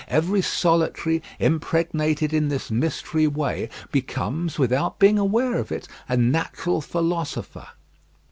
Every solitary, impregnated in this mysterious way, becomes, without being aware of it, a natural philosopher.